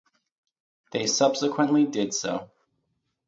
They subsequently did so.